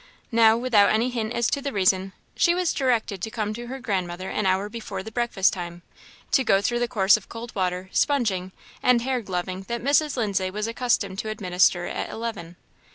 Now, without any hint as to the reason, she was directed to come to her grandmother an hour before the breakfast time, to go through the course of cold water, sponging, and hair gloving that Mrs. Lindsay was accustomed to administer at eleven.